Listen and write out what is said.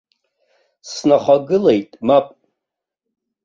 Снахагылеит, мап.